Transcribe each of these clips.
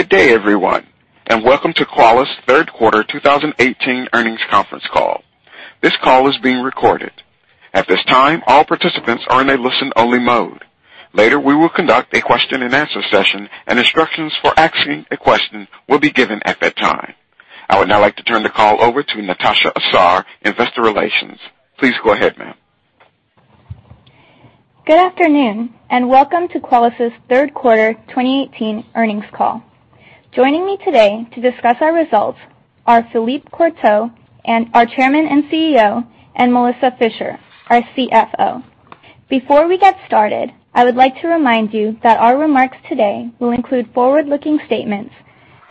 Good day, everyone, and welcome to Qualys' third quarter 2018 earnings conference call. This call is being recorded. At this time, all participants are in a listen-only mode. Later, we will conduct a question-and-answer session, and instructions for asking a question will be given at that time. I would now like to turn the call over to Natasha Asar, investor relations. Please go ahead, ma'am. Good afternoon. Welcome to Qualys' third quarter 2018 earnings call. Joining me today to discuss our results are Philippe Courtot, our Chairman and CEO, and Melissa Fisher, our CFO. Before we get started, I would like to remind you that our remarks today will include forward-looking statements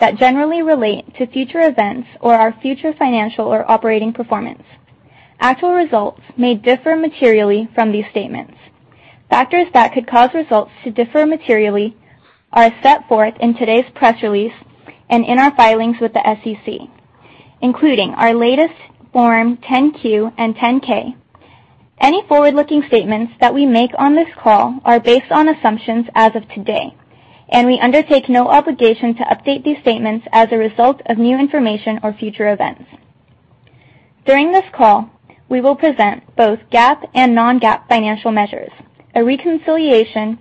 that generally relate to future events or our future financial or operating performance. Actual results may differ materially from these statements. Factors that could cause results to differ materially are set forth in today's press release and in our filings with the SEC, including our latest Form 10-Q and 10-K. Any forward-looking statements that we make on this call are based on assumptions as of today, and we undertake no obligation to update these statements as a result of new information or future events. During this call, we will present both GAAP and non-GAAP financial measures. A reconciliation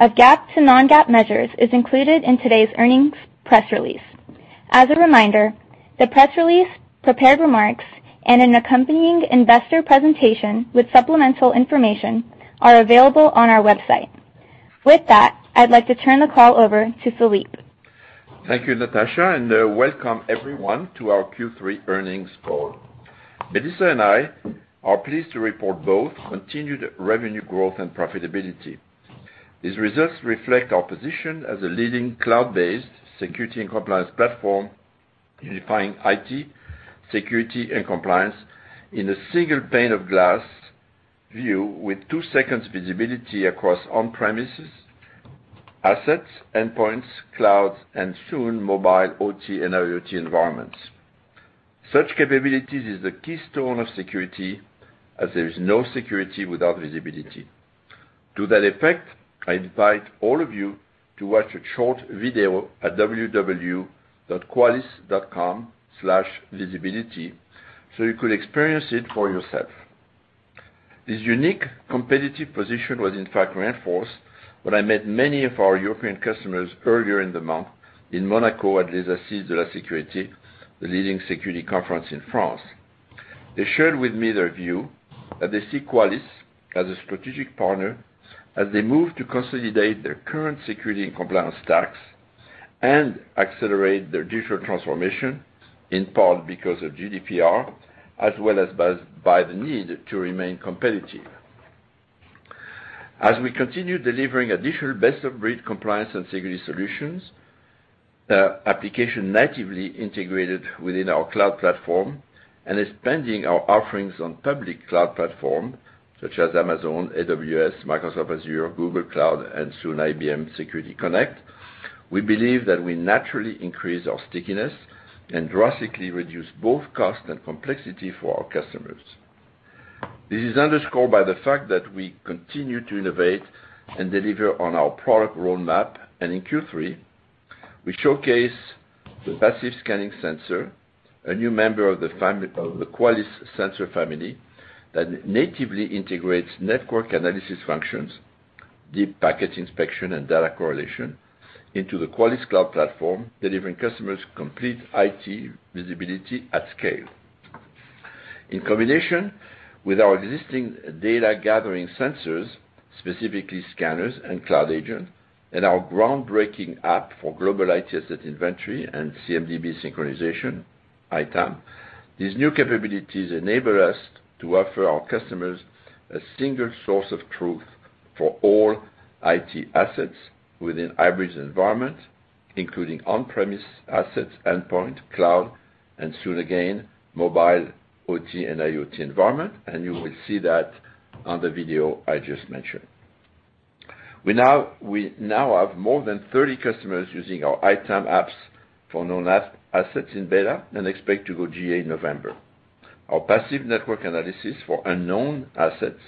of GAAP to non-GAAP measures is included in today's earnings press release. As a reminder, the press release, prepared remarks, and an accompanying investor presentation with supplemental information are available on our website. With that, I'd like to turn the call over to Philippe. Thank you, Natasha. Welcome everyone to our Q3 earnings call. Melissa and I are pleased to report both continued revenue growth and profitability. These results reflect our position as a leading cloud-based security and compliance platform, unifying IT, security, and compliance in a single pane of glass view with two seconds visibility across on-premises assets, endpoints, clouds, and soon mobile, OT, and IoT environments. Such capabilities is the keystone of security as there is no security without visibility. To that effect, I invite all of you to watch a short video at www.qualys.com/visibility so you could experience it for yourself. This unique competitive position was in fact reinforced when I met many of our European customers earlier in the month in Monaco at Les Assises de la cybersécurité, the leading security conference in France. They shared with me their view that they see Qualys as a strategic partner as they move to consolidate their current security and compliance stacks and accelerate their digital transformation, in part because of GDPR, as well as by the need to remain competitive. As we continue delivering additional best-of-breed compliance and security solutions, application natively integrated within our cloud platform, and expanding our offerings on public cloud platform such as Amazon, AWS, Microsoft Azure, Google Cloud, and soon IBM Security Connect. We believe that we naturally increase our stickiness and drastically reduce both cost and complexity for our customers. This is underscored by the fact that we continue to innovate and deliver on our product roadmap. In Q3 we showcase the passive scanning sensor, a new member of the Qualys sensor family that natively integrates network analysis functions, deep packet inspection, and data correlation into the Qualys cloud platform, delivering customers complete IT visibility at scale. In combination with our existing data-gathering sensors, specifically scanners and Cloud Agent, and our groundbreaking app for global IT asset inventory and CMDB synchronization, ITAM. These new capabilities enable us to offer our customers a single source of truth for all IT assets within hybrid environment, including on-premise assets, endpoint, cloud, and soon again, mobile, OT, and IoT environment, and you will see that on the video I just mentioned. We now have more than 30 customers using our ITAM apps for known assets in beta and expect to go GA in November. Our passive network analysis for unknown assets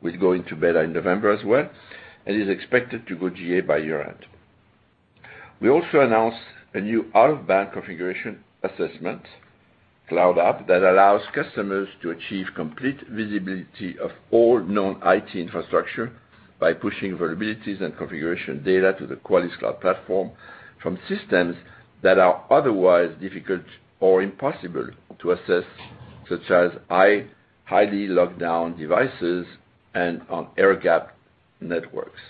will go into beta in November as well and is expected to go GA by year-end. We also announced a new out-of-band configuration assessment cloud app that allows customers to achieve complete visibility of all known IT infrastructure by pushing vulnerabilities and configuration data to the Qualys cloud platform from systems that are otherwise difficult or impossible to assess, such as highly locked-down devices and on air-gapped networks.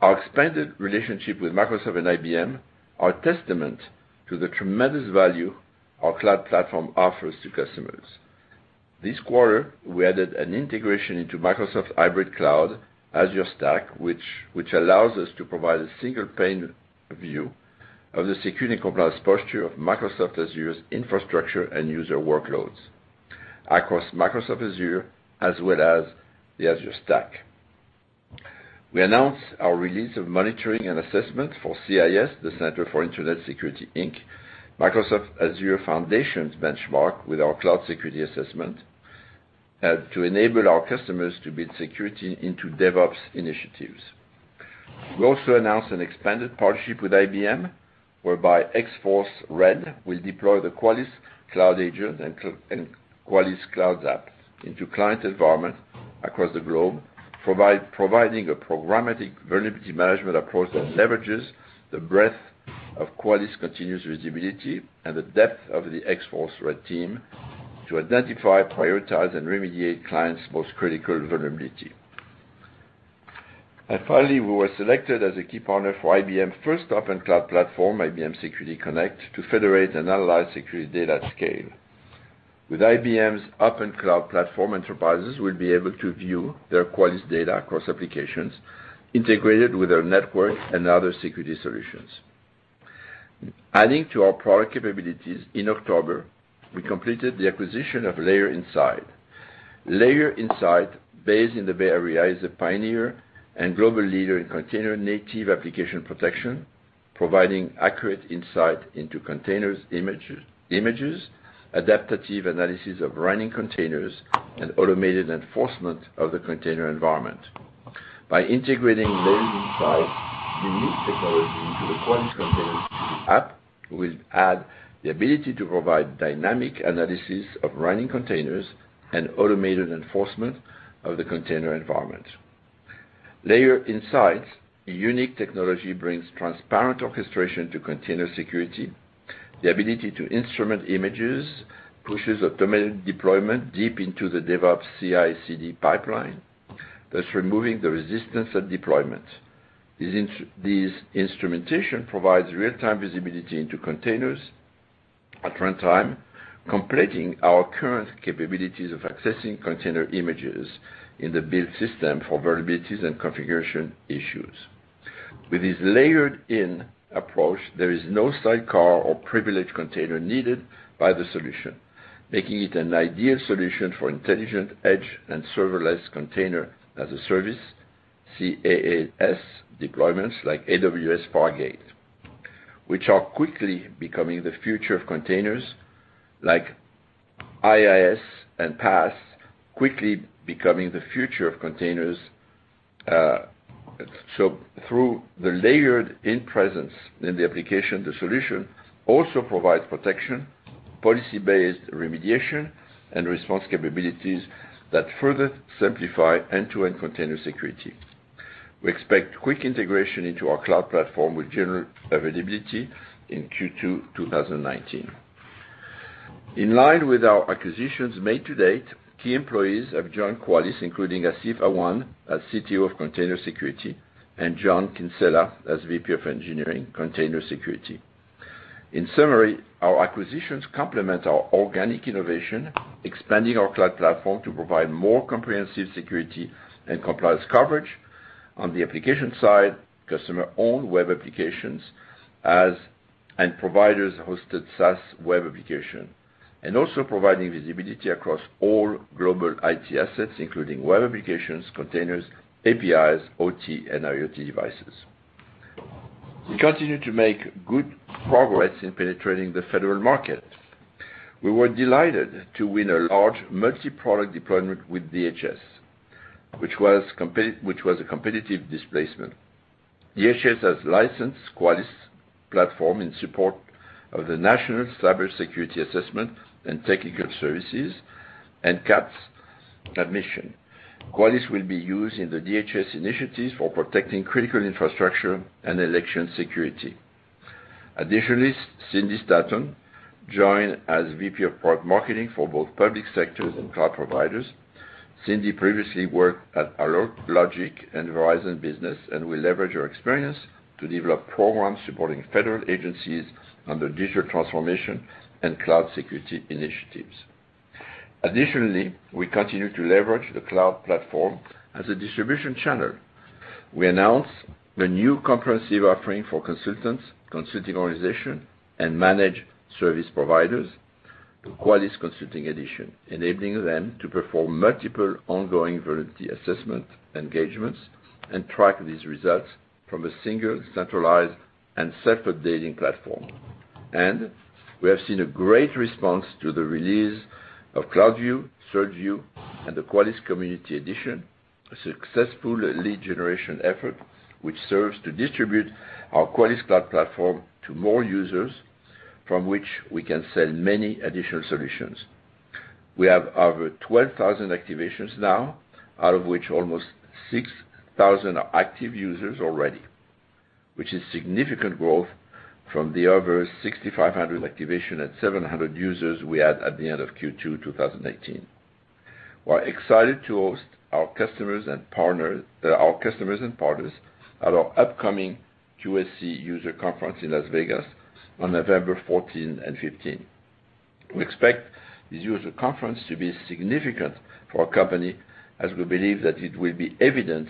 Our expanded relationship with Microsoft and IBM are testament to the tremendous value our cloud platform offers to customers. This quarter, we added an integration into Microsoft hybrid cloud Azure Stack, which allows us to provide a single-pane view of the security compliance posture of Microsoft Azure's infrastructure and user workloads across Microsoft Azure as well as the Azure Stack. We announced our release of monitoring and assessment for CIS, the Center for Internet Security Inc., Microsoft Azure Foundations Benchmark with our cloud security assessment. To enable our customers to build security into DevOps initiatives. We also announced an expanded partnership with IBM, whereby X-Force Red will deploy the Qualys Cloud Agent and Qualys Cloud apps into client environments across the globe, providing a programmatic vulnerability management approach that leverages the breadth of Qualys' continuous visibility and the depth of the X-Force Red team to identify, prioritize, and remediate clients' most critical vulnerability. Finally, we were selected as a key partner for IBM's first open cloud platform, IBM Security Connect, to federate and analyze security data at scale. With IBM's open cloud platform, enterprises will be able to view their Qualys data across applications integrated with their network and other security solutions. Adding to our product capabilities, in October, we completed the acquisition of Layered Insight. Layered Insight, based in the Bay Area, is a pioneer and global leader in container-native application protection, providing accurate insight into container images, adaptive analysis of running containers, and automated enforcement of the container environment. By integrating Layered Insight's unique technology into the Qualys Container App, we'll add the ability to provide dynamic analysis of running containers and automated enforcement of the container environment. Layered Insight's unique technology brings transparent orchestration to container security. The ability to instrument images pushes automated deployment deep into the DevOps CI/CD pipeline, thus removing the resistance at deployment. This instrumentation provides real-time visibility into containers at runtime, completing our current capabilities of assessing container images in the build system for vulnerabilities and configuration issues. With this layered-in approach, there is no sidecar or privileged container needed by the solution, making it an ideal solution for intelligent edge and serverless container-as-a-service, CaaS, deployments like AWS Fargate, which are quickly becoming the future of containers like IaaS and PaaS, quickly becoming the future of containers. Through the layered-in presence in the application, the solution also provides protection, policy-based remediation, and response capabilities that further simplify end-to-end container security. We expect quick integration into our cloud platform with general availability in Q2 2019. In line with our acquisitions made to date, key employees have joined Qualys, including Asif Awan as CTO of Container Security and John Kinsella as VP of Engineering, Container Security. In summary, our acquisitions complement our organic innovation, expanding our cloud platform to provide more comprehensive security and compliance coverage on the application side, customer-owned web applications, and providers' hosted SaaS web application. Also providing visibility across all global IT assets, including web applications, containers, APIs, OT, and IoT devices. We continue to make good progress in penetrating the federal market. We were delighted to win a large multi-product deployment with DHS, which was a competitive displacement. DHS has licensed Qualys' platform in support of the National Cybersecurity Assessment and Technical Services and CATS mission. Qualys will be used in the DHS initiatives for protecting critical infrastructure and election security. Additionally, Cindy Stanton joined as VP of Product Marketing for both public sectors and cloud providers. Cindy previously worked at Alert Logic and Verizon Business and will leverage her experience to develop programs supporting federal agencies on their digital transformation and cloud security initiatives. Additionally, we continue to leverage the cloud platform as a distribution channel. We announced the new comprehensive offering for consultants, consulting organization, and managed service providers, the Qualys Consulting Edition, enabling them to perform multiple ongoing vulnerability assessment engagements and track these results from a single centralized and self-updating platform. We have seen a great response to the release of CloudView, CertView, and the Qualys Community Edition, a successful lead generation effort which serves to distribute our Qualys cloud platform to more users from which we can sell many additional solutions. We have over 12,000 activations now, out of which almost 6,000 are active users already, which is significant growth from the over 6,500 activation and 700 users we had at the end of Q2 2018. We are excited to host our customers and partners at our upcoming QSC user conference in Las Vegas on November 14 and 15. We expect this user conference to be significant for our company as we believe that it will be evident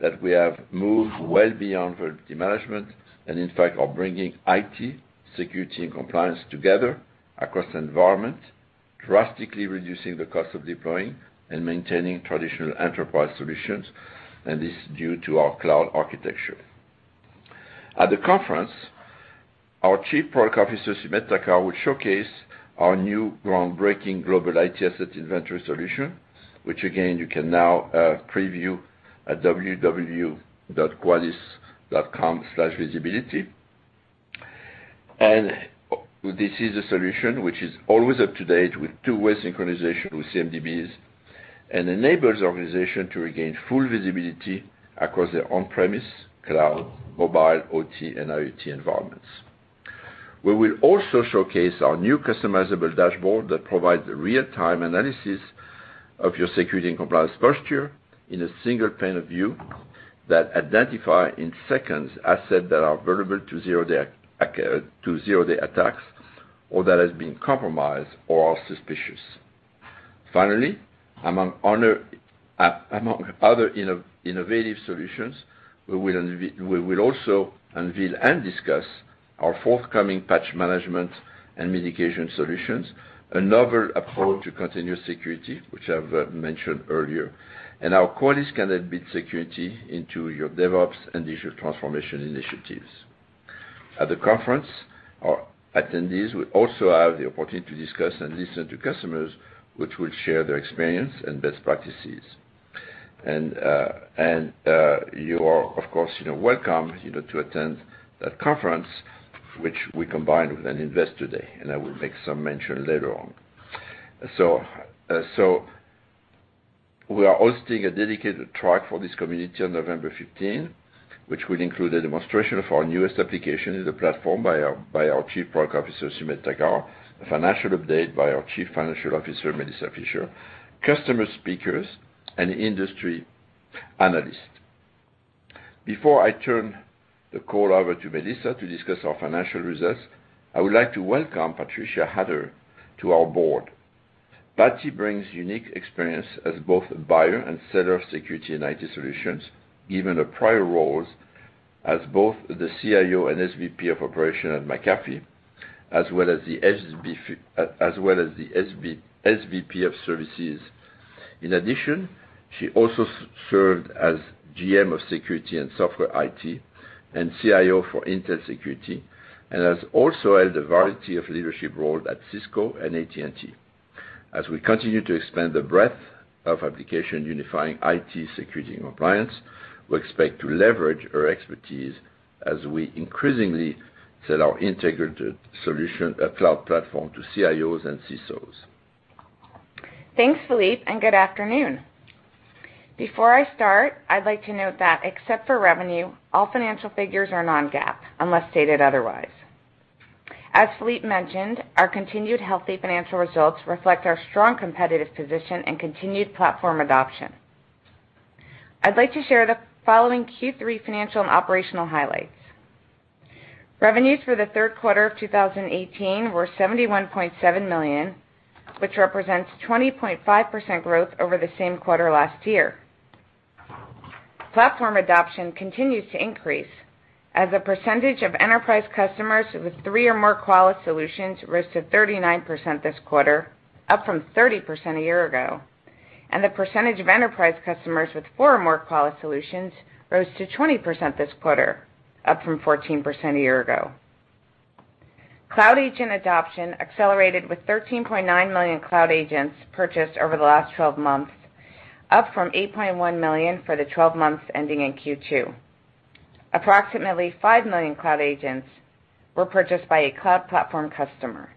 that we have moved well beyond vulnerability management and in fact, are bringing IT, security, and compliance together across the environment, drastically reducing the cost of deploying and maintaining traditional enterprise solutions, and this is due to our cloud architecture. At the conference, our Chief Product Officer, Sumedh Thakar, will showcase our new groundbreaking global IT asset inventory solution, which again, you can now preview at www.qualys.com/visibility. This is a solution which is always up to date with two-way synchronization with CMDBs and enables the organization to regain full visibility across their on-premise, cloud, mobile, OT, and IoT environments. We will also showcase our new customizable dashboard that provides real-time analysis of your security and compliance posture in a single pane of view that identifies, in seconds, assets that are vulnerable to zero-day attacks or that have been compromised or are suspicious. Finally, among other innovative solutions, we will also unveil and discuss our forthcoming patch management and mitigation solutions, another approach to continuous security, which I have mentioned earlier, and how Qualys can embed security into your DevOps and digital transformation initiatives. At the conference, our attendees will also have the opportunity to discuss and listen to customers, which will share their experience and best practices. You are, of course, welcome to attend that conference, which we combine with an investor day, and I will make some mention later on. We are hosting a dedicated track for this community on November 15, which will include a demonstration of our newest application in the platform by our Chief Product Officer, Sumedh Thakar, a financial update by our Chief Financial Officer, Melissa Fisher, customer speakers, and industry analysts. Before I turn the call over to Melissa to discuss our financial results, I would like to welcome Patricia Hader to our board. Patty brings unique experience as both a buyer and seller of security and IT solutions, given her prior roles as both the CIO and SVP of Operations at McAfee, as well as the SVP of Services. In addition, she also served as GM of Security and Software IT and CIO for Intel Security and has also held a variety of leadership roles at Cisco and AT&T. As we continue to expand the breadth of application unifying IT security and compliance, we expect to leverage her expertise as we increasingly sell our integrated solution cloud platform to CIOs and CISOs. Thanks, Philippe, and good afternoon. Before I start, I'd like to note that except for revenue, all financial figures are non-GAAP unless stated otherwise. As Philippe mentioned, our continued healthy financial results reflect our strong competitive position and continued platform adoption. I'd like to share the following Q3 financial and operational highlights. Revenues for the third quarter of 2018 were $71.7 million, which represents 20.5% growth over the same quarter last year. Platform adoption continues to increase as a percentage of enterprise customers with three or more Qualys solutions rose to 39% this quarter, up from 30% a year ago. The percentage of enterprise customers with four or more Qualys solutions rose to 20% this quarter, up from 14% a year ago. Cloud Agent adoption accelerated with 13.9 million Cloud Agents purchased over the last 12 months, up from 8.1 million for the 12 months ending in Q2. Approximately five million Cloud Agents were purchased by a cloud platform customer.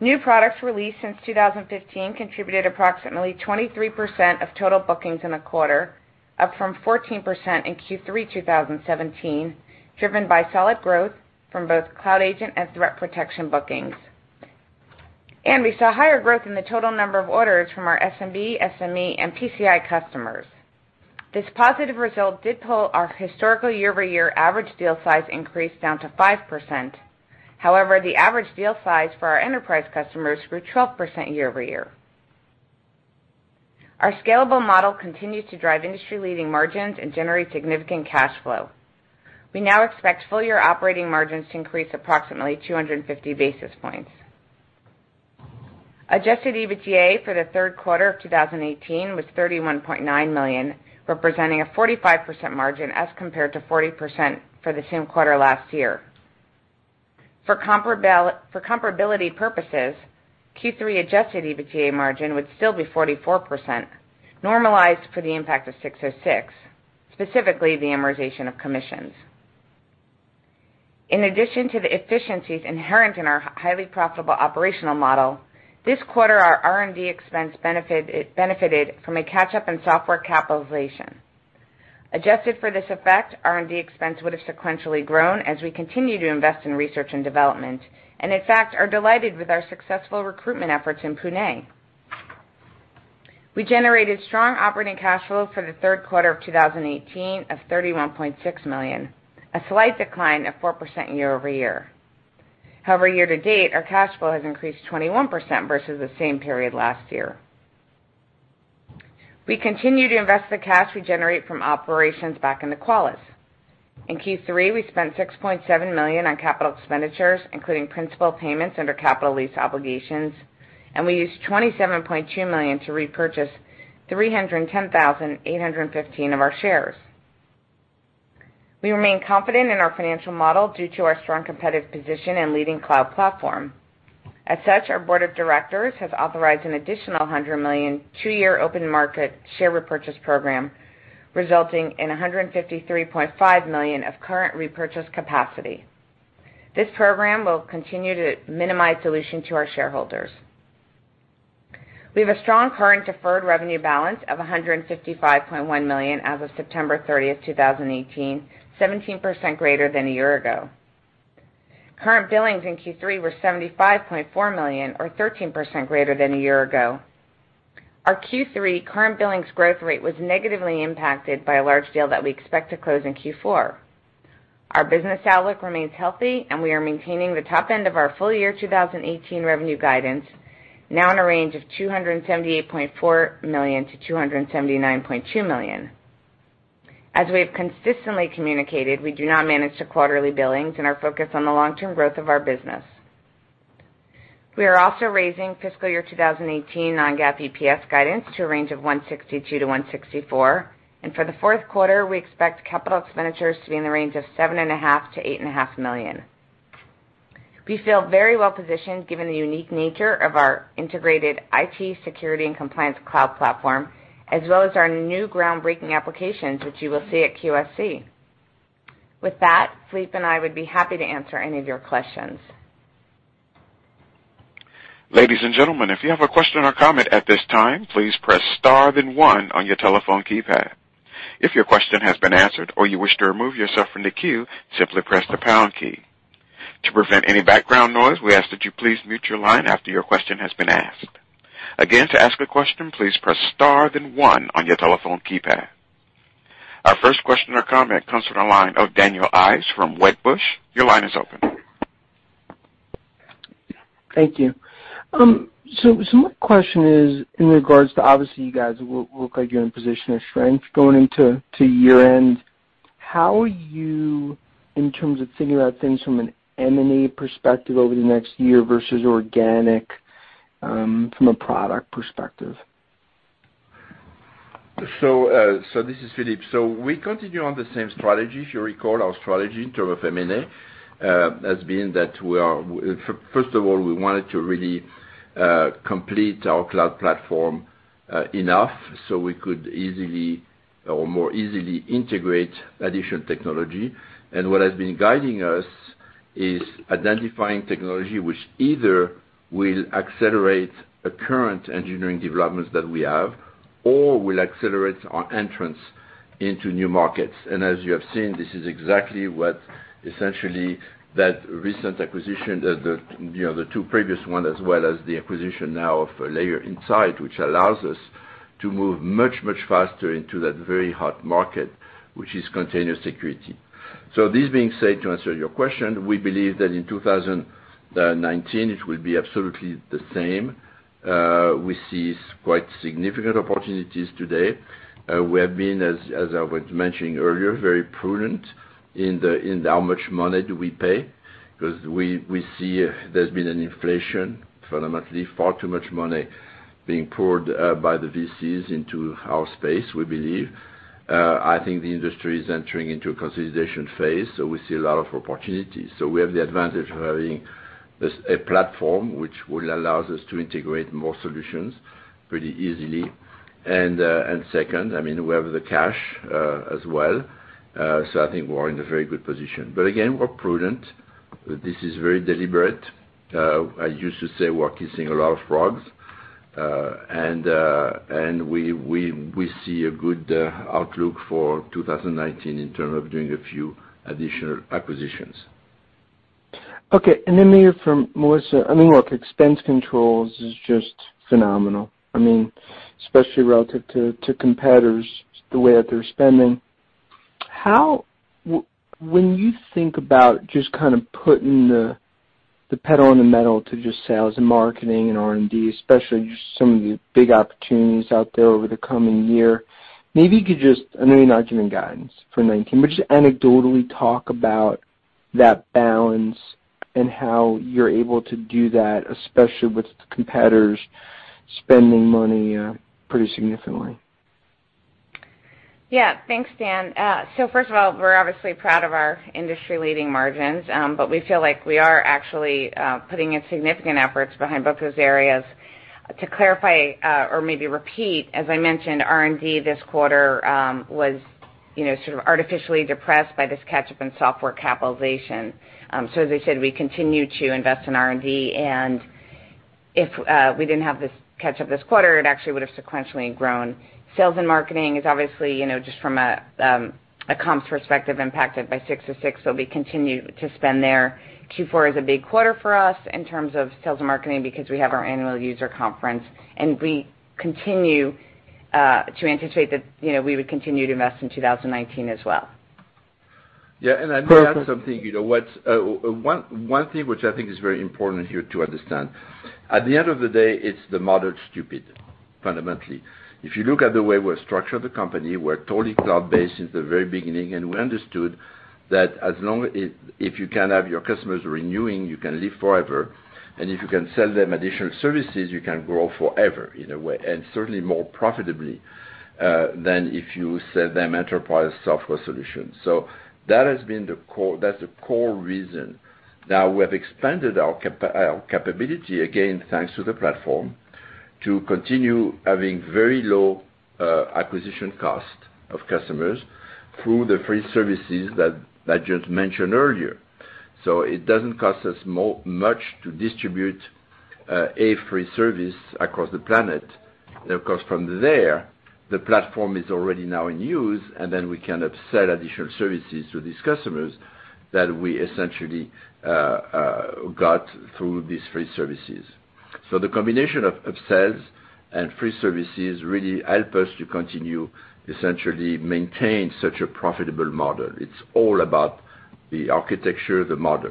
New products released since 2015 contributed approximately 23% of total bookings in the quarter, up from 14% in Q3 2017, driven by solid growth from both Cloud Agent and Threat Protection bookings. We saw higher growth in the total number of orders from our SMB, SME, and PCI customers. This positive result did pull our historical year-over-year average deal size increase down to 5%. However, the average deal size for our enterprise customers grew 12% year-over-year. Our scalable model continues to drive industry-leading margins and generate significant cash flow. We now expect full-year operating margins to increase approximately 250 basis points. Adjusted EBITDA for the third quarter of 2018 was $31.9 million, representing a 45% margin as compared to 40% for the same quarter last year. For comparability purposes, Q3 adjusted EBITDA margin would still be 44%, normalized for the impact of 606, specifically the amortization of commissions. In addition to the efficiencies inherent in our highly profitable operational model, this quarter our R&D expense benefited from a catch-up in software capitalization. Adjusted for this effect, R&D expense would have sequentially grown as we continue to invest in research and development, and in fact, are delighted with our successful recruitment efforts in Pune. We generated strong operating cash flow for the third quarter of 2018 of $31.6 million, a slight decline of 4% year-over-year. However, year-to-date, our cash flow has increased 21% versus the same period last year. We continue to invest the cash we generate from operations back into Qualys. In Q3, we spent $6.7 million on capital expenditures, including principal payments under capital lease obligations, and we used $27.2 million to repurchase 310,815 of our shares. We remain confident in our financial model due to our strong competitive position and leading cloud platform. As such, our board of directors has authorized an additional $100 million two-year open market share repurchase program, resulting in $153.5 million of current repurchase capacity. This program will continue to minimize dilution to our shareholders. We have a strong current deferred revenue balance of $155.1 million as of September 30th, 2018, 17% greater than a year ago. Current billings in Q3 were $75.4 million or 13% greater than a year ago. Our Q3 current billings growth rate was negatively impacted by a large scale that we expect to close in Q4. Our business outlook remains healthy. We are maintaining the top end of our full year 2018 revenue guidance, now in a range of $278.4 million-$279.2 million. As we have consistently communicated, we do not manage to quarterly billings and are focused on the long-term growth of our business. We are also raising fiscal year 2018 non-GAAP EPS guidance to a range of $1.62-$1.64. For the fourth quarter, we expect capital expenditures to be in the range of seven and a half million to eight and a half million. We feel very well positioned given the unique nature of our integrated IT security and compliance cloud platform, as well as our new groundbreaking applications, which you will see at QSC. With that, Philippe and I would be happy to answer any of your questions. Ladies and gentlemen, if you have a question or comment at this time, please press star then one on your telephone keypad. If your question has been answered or you wish to remove yourself from the queue, simply press the pound key. To prevent any background noise, we ask that you please mute your line after your question has been asked. Again, to ask a question, please press star then one on your telephone keypad. Our first question or comment comes from the line of Daniel Ives from Wedbush. Your line is open. Thank you. My question is in regards to obviously, you guys look like you're in a position of strength going into year-end. How are you in terms of thinking about things from an M&A perspective over the next year versus organic, from a product perspective? This is Philippe. We continue on the same strategy. If you recall our strategy in terms of M&A, has been that first of all, we wanted to really complete our cloud platform enough so we could more easily integrate additional technology. What has been guiding us is identifying technology which either will accelerate a current engineering developments that we have or will accelerate our entrance into new markets. As you have seen, this is exactly what essentially that recent acquisition, the two previous one as well as the acquisition now of Layered Insight, which allows us to move much, much faster into that very hot market, which is container security. This being said, to answer your question, we believe that in 2019, it will be absolutely the same. We see quite significant opportunities today. We have been, as I was mentioning earlier, very prudent in how much money do we pay because we see there's been an inflation, fundamentally, far too much money being poured by the VCs into our space, we believe. I think the industry is entering into a consolidation phase. We see a lot of opportunities. We have the advantage of having a platform which will allows us to integrate more solutions pretty easily. Second, we have the cash as well. I think we're in a very good position. Again, we're prudent. This is very deliberate. I used to say we're kissing a lot of frogs. We see a good outlook for 2019 in terms of doing a few additional acquisitions. Okay. Then maybe from Melissa, look, expense controls is just phenomenal. Especially relative to competitors, the way that they're spending. When you think about just putting the pedal on the metal to just sales and marketing and R&D, especially just some of the big opportunities out there over the coming year, maybe you could just, I know you're not giving guidance for 2019, but just anecdotally talk about that balance and how you're able to do that, especially with competitors spending money pretty significantly. Yeah. Thanks, Dan. First of all, we're obviously proud of our industry-leading margins. We feel like we are actually putting in significant efforts behind both those areas. To clarify, or maybe repeat, as I mentioned, R&D this quarter was sort of artificially depressed by this catch-up in software capitalization. As I said, we continue to invest in R&D, and if we didn't have this catch-up this quarter, it actually would have sequentially grown. Sales and marketing is obviously, just from a comps perspective, impacted by 606. We continue to spend there. Q4 is a big quarter for us in terms of sales and marketing because we have our annual user conference, and we continue to anticipate that we would continue to invest in 2019 as well. Yeah, let me add something. One thing which I think is very important here to understand. At the end of the day, it's the model, stupid, fundamentally. If you look at the way we're structured the company, we're totally cloud-based since the very beginning, and we understood that if you can have your customers renewing, you can live forever, and if you can sell them additional services, you can grow forever, in a way, and certainly more profitably. If you sell them enterprise software solutions. That's the core reason. Now we have expanded our capability, again, thanks to the platform, to continue having very low acquisition cost of customers through the free services that I just mentioned earlier. It doesn't cost us much to distribute a free service across the planet. Of course, from there, the platform is already now in use, then we can upsell additional services to these customers that we essentially got through these free services. The combination of upsells and free services really help us to continue, essentially, maintain such a profitable model. It's all about the architecture of the model.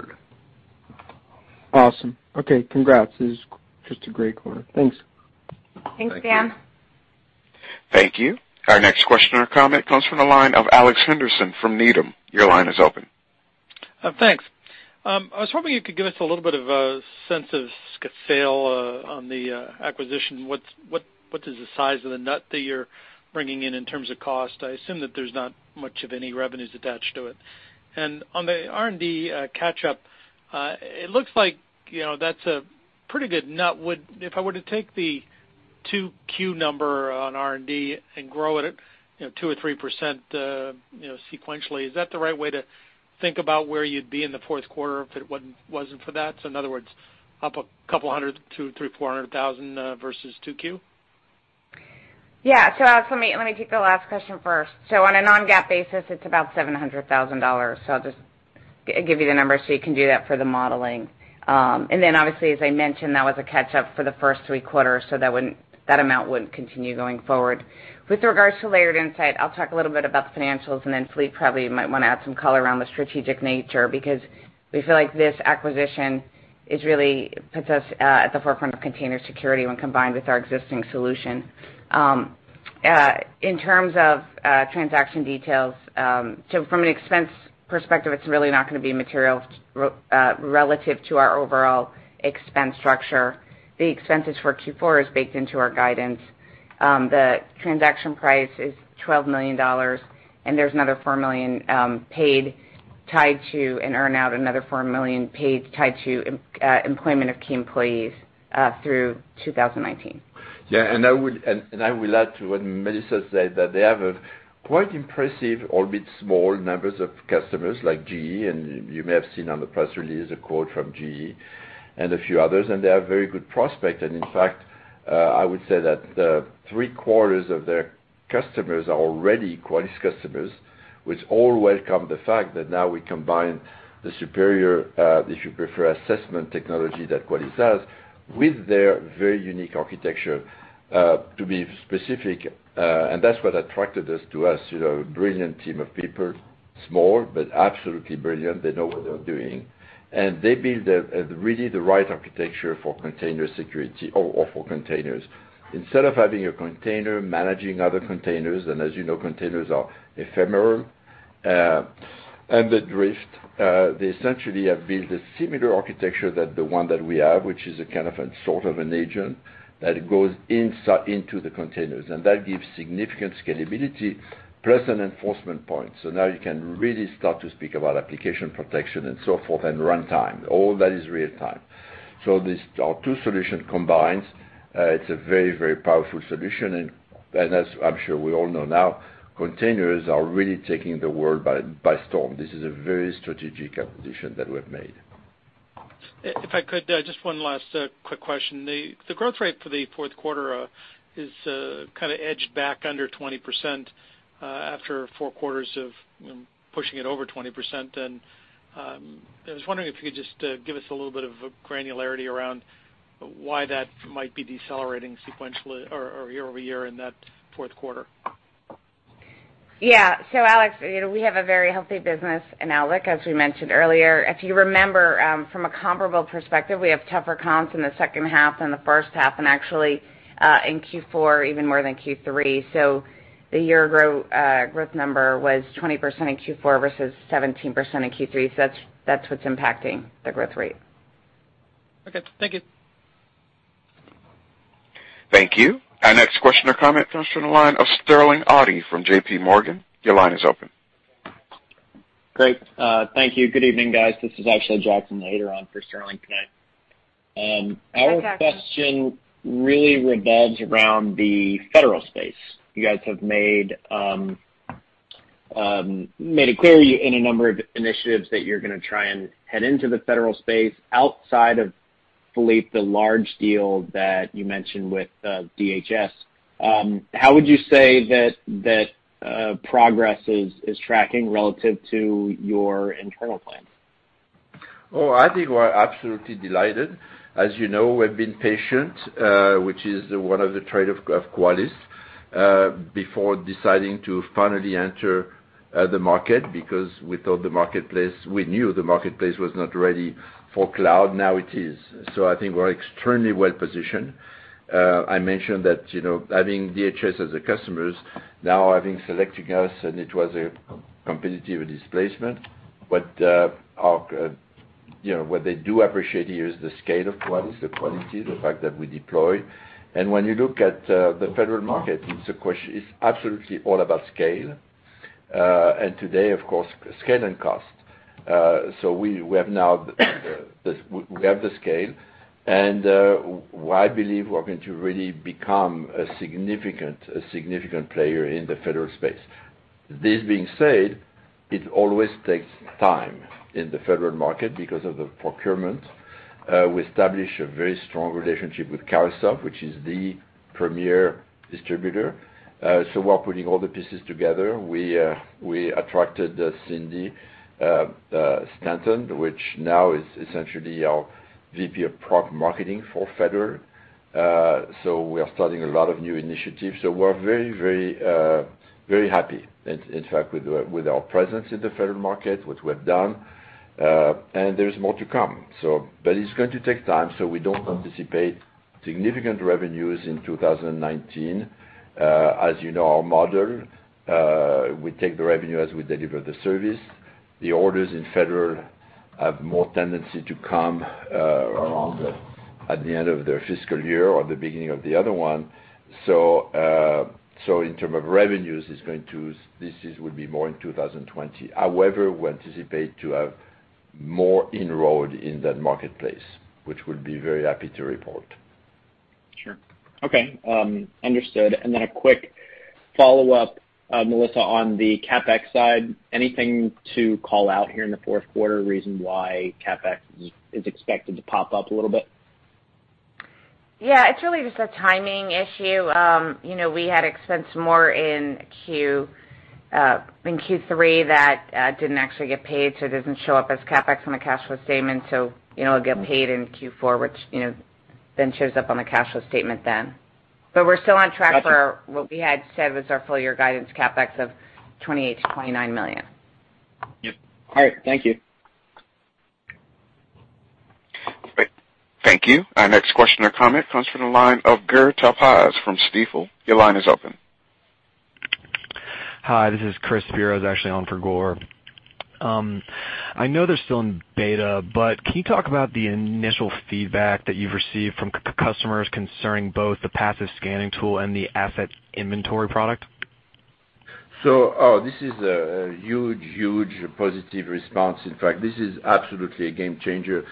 Awesome. Okay, congrats. It's just a great quarter. Thanks. Thanks, Dan. Thank you. Thank you. Our next question or comment comes from the line of Alex Henderson from Needham. Your line is open. Thanks. I was hoping you could give us a little bit of a sense of scale on the acquisition. What is the size of the nut that you're bringing in terms of cost? I assume that there's not much of any revenues attached to it. On the R&D catch-up, it looks like that's a pretty good nut. If I were to take the 2Q number on R&D and grow it at 2% or 3% sequentially, is that the right way to think about where you'd be in the fourth quarter if it wasn't for that? In other words, up a couple hundred to $300,000-$400,000 versus 2Q? Let me take the last question first. On a non-GAAP basis, it's about $700,000. I'll just give you the number so you can do that for the modeling. Then obviously, as I mentioned, that was a catch-up for the first three quarters, so that amount wouldn't continue going forward. With regards to Layered Insight, I'll talk a little bit about the financials and then Philippe probably might want to add some color around the strategic nature, because we feel like this acquisition really puts us at the forefront of container security when combined with our existing solution. In terms of transaction details, from an expense perspective, it's really not going to be material relative to our overall expense structure. The expenses for Q4 is baked into our guidance. The transaction price is $12 million, there's another $4 million paid tied to an earn-out, another $4 million paid tied to employment of key employees through 2019. Yeah. I would add to what Melissa said, that they have a quite impressive, albeit small numbers of customers like GE, you may have seen on the press release a quote from GE and a few others, and they are very good prospect. In fact, I would say that the three-quarters of their customers are already Qualys customers, which all welcome the fact that now we combine the superior, if you prefer, assessment technology that Qualys has with their very unique architecture. To be specific, and that's what attracted this to us, a brilliant team of people, small, but absolutely brilliant. They know what they're doing. They build really the right architecture for container security or for containers. Instead of having a container managing other containers, as you know, containers are ephemeral and they drift, they essentially have built a similar architecture that the one that we have, which is a kind of and sort of an agent that goes into the containers. That gives significant scalability plus an enforcement point. Now you can really start to speak about application protection and so forth and runtime. All that is real time. Our two solution combines, it's a very, very powerful solution. As I'm sure we all know now, containers are really taking the world by storm. This is a very strategic acquisition that we've made. If I could, just one last quick question. The growth rate for the fourth quarter is kind of edged back under 20% after four quarters of pushing it over 20%. I was wondering if you could just give us a little bit of a granularity around why that might be decelerating sequentially or year-over-year in that fourth quarter. Yeah. Alex, we have a very healthy business in [our lake], as we mentioned earlier. If you remember, from a comparable perspective, we have tougher comps in the second half than the first half, actually in Q4 even more than Q3. The year growth number was 20% in Q4 versus 17% in Q3. That's what's impacting the growth rate. Okay. Thank you. Thank you. Our next question or comment comes from the line of Sterling Auty from JPMorgan. Your line is open. Great. Thank you. Good evening, guys. This is actually Jackson Ader on for Sterling tonight. Okay, Jackson. Our question really revolves around the federal space. You guys have made it clear in a number of initiatives that you're going to try and head into the federal space outside of Philippe, the large deal that you mentioned with DHS. How would you say that progress is tracking relative to your internal plans? I think we're absolutely delighted. As you know, we've been patient, which is one of the trait of Qualys, before deciding to finally enter the market because we thought the marketplace, we knew the marketplace was not ready for cloud. Now it is. I think we're extremely well-positioned. I mentioned that having DHS as a customer now having selected us, and it was a competitive displacement, What they do appreciate here is the scale of Qualys, the quality, the fact that we deploy. When you look at the federal market, it's absolutely all about scale. Today, of course, scale and cost. We have now the scale, and I believe we're going to really become a significant player in the federal space. This being said, it always takes time in the federal market because of the procurement. We established a very strong relationship with Carahsoft, which is the premier distributor. We're putting all the pieces together. We attracted Cindy Stanton, which now is essentially our VP of product marketing for federal. We are starting a lot of new initiatives. We're very happy in fact, with our presence in the federal market, what we have done, and there's more to come. It's going to take time, we don't anticipate significant revenues in 2019. As you know, our model, we take the revenue as we deliver the service. The orders in federal have more tendency to come- Longer at the end of their fiscal year or the beginning of the other one. In term of revenues, this would be more in 2020. However, we anticipate to have more enrolled in that marketplace, which we'll be very happy to report. Sure. Okay. Understood, then a quick follow-up, Melissa, on the CapEx side. Anything to call out here in the fourth quarter, reason why CapEx is expected to pop up a little bit? Yeah, it's really just a timing issue. We had expensed more in Q3 that didn't actually get paid, it doesn't show up as CapEx on the cash flow statement. It'll get paid in Q4, which then shows up on the cash flow statement then. We're still on track for what we had said was our full-year guidance CapEx of $28 million-$29 million. Yep. All right. Thank you. Thank you. Our next question or comment comes from the line of Gur Talpaz from Stifel. Your line is open. Hi, this is Chris Spiro. I was actually on for Gur. I know they're still in beta, can you talk about the initial feedback that you've received from customers concerning both the passive scanning tool and the asset inventory product? This is a huge positive response. In fact, this is absolutely a game changer.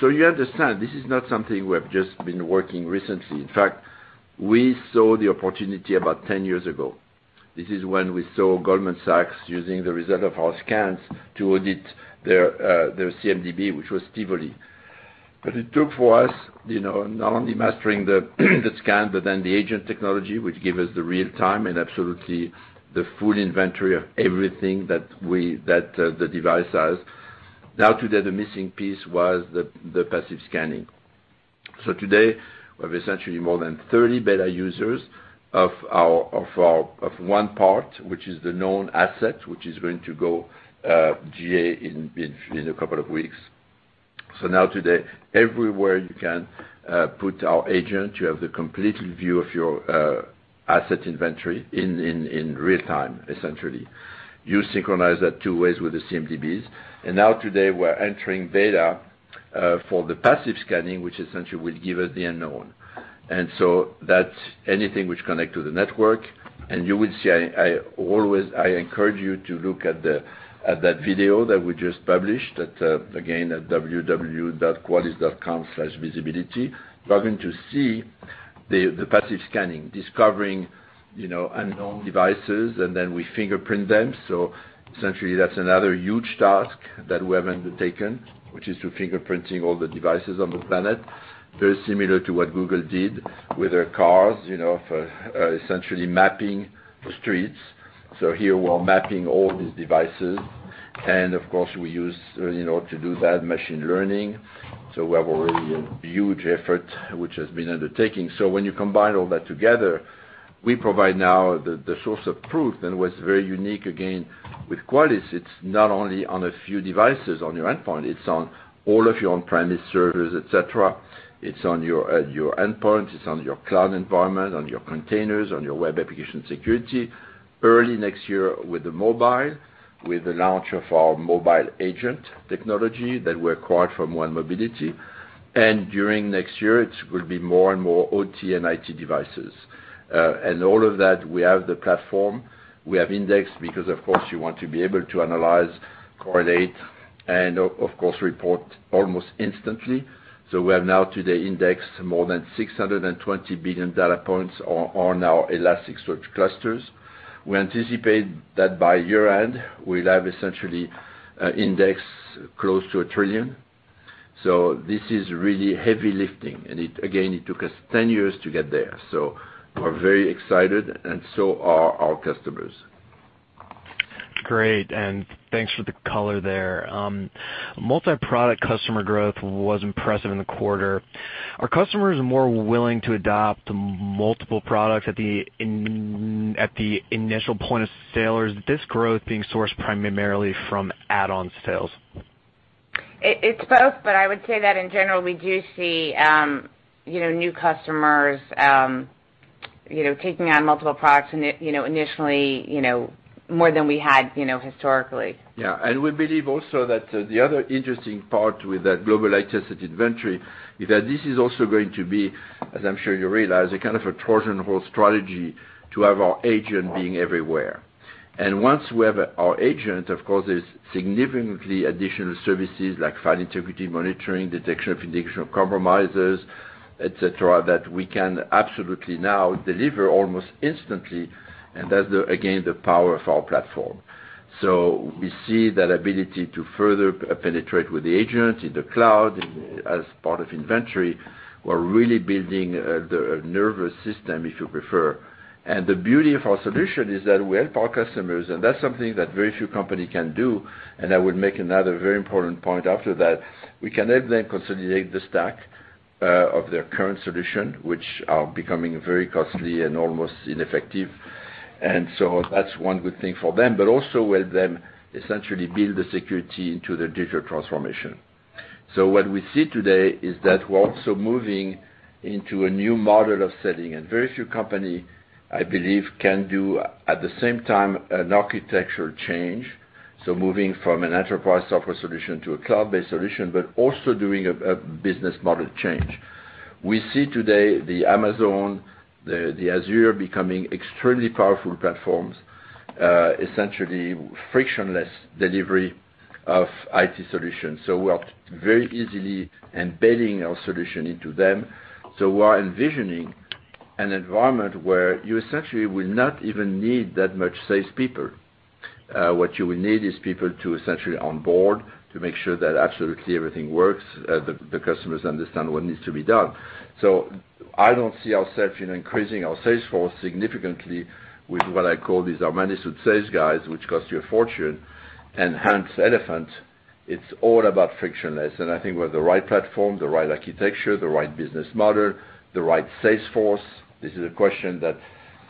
You understand, this is not something we have just been working recently. In fact, we saw the opportunity about 10 years ago. This is when we saw Goldman Sachs using the result of our scans to audit their CMDB, which was Tivoli. It took for us not only mastering the scan, then the agent technology, which give us the real time and absolutely the full inventory of everything that the device has. Now today, the missing piece was the passive scanning. Today, we have essentially more than 30 beta users of one part, which is the known asset, which is going to go GA in a couple of weeks. Now today, everywhere you can put our agent, you have the complete view of your asset inventory in real time, essentially. You synchronize that two ways with the CMDBs. Now today, we're entering beta for the passive scanning, which essentially will give us the unknown. That's anything which connect to the network. You will see, I always encourage you to look at that video that we just published at, again, at www.qualys.com/visibility. You are going to see the passive scanning, discovering unknown devices, and then we fingerprint them. Essentially, that's another huge task that we have undertaken, which is to fingerprinting all the devices on the planet. Very similar to what Google did with their cars, for essentially mapping streets. Here, we're mapping all these devices, and of course, we use, to do that, machine learning. We have already a huge effort which has been undertaking. When you combine all that together, we provide now the source of proof. What's very unique, again, with Qualys, it's not only on a few devices on your endpoint, it's on all of your on-premise servers, et cetera. It's on your endpoint, it's on your cloud environment, on your containers, on your web application security. Early next year with the mobile, with the launch of our mobile agent technology that we acquired from 1Mobility. During next year, it will be more and more OT and IT devices. All of that, we have the platform. We have index because, of course, you want to be able to analyze, correlate, and, of course, report almost instantly. We have now today indexed more than 620 billion data points on our Elasticsearch clusters. We anticipate that by year-end, we'll have essentially indexed close to a trillion. This is really heavy lifting, and again, it took us 10 years to get there. We're very excited and so are our customers. Great, thanks for the color there. Multi-product customer growth was impressive in the quarter. Are customers more willing to adopt multiple products at the initial point of sale, or is this growth being sourced primarily from add-on sales? It's both, I would say that in general, we do see new customers taking on multiple products initially more than we had historically. Yeah. We believe also that the other interesting part with that global IT asset inventory is that this is also going to be, as I'm sure you realize, a kind of a Trojan Horse strategy to have our agent being everywhere. Once we have our agent, of course, there's significantly additional services like file integrity monitoring, detection of indication of compromises, et cetera, that we can absolutely now deliver almost instantly. That's, again, the power of our platform. We see that ability to further penetrate with the agent in the cloud as part of inventory. We're really building the nervous system, if you prefer. The beauty of our solution is that we help our customers, that's something that very few company can do, I would make another very important point after that. We can help them consolidate the stack of their current solution, which are becoming very costly and almost ineffective. That's one good thing for them, but also help them essentially build the security into their digital transformation. What we see today is that we're also moving into a new model of selling. Very few company, I believe, can do at the same time an architectural change. Moving from an enterprise software solution to a cloud-based solution, but also doing a business model change. We see today the Amazon, the Azure becoming extremely powerful platforms, essentially frictionless delivery of IT solutions. We are very easily embedding our solution into them. We are envisioning an environment where you essentially will not even need that much salespeople. What you will need is people to essentially onboard to make sure that absolutely everything works, the customers understand what needs to be done. I don't see ourselves increasing our sales force significantly with what I call these are managed sales guys, which cost you a fortune and hunts elephants. It's all about frictionless. I think we have the right platform, the right architecture, the right business model, the right sales force. This is a question that